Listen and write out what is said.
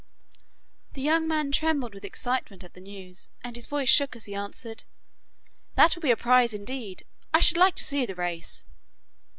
The young man trembled with excitement at the news, and his voice shook as he answered: 'That will be a prize indeed, I should like to see the race.